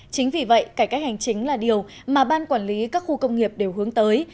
chính vì vậy cải cách hành chính là điều mà ban quản lý các khu công nghiệp đều hướng tới